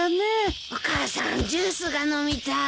お母さんジュースが飲みたい。